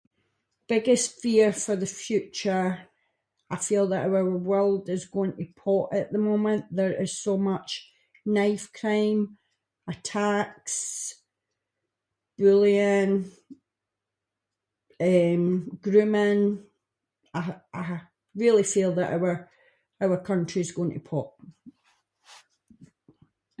Biggest fear for the future, I feel that our world is going to pot at the moment, there is so much knife crime, attacks, bullying, eh, grooming, I- I really feel that our- our country is going to pot.